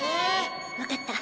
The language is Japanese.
わかった！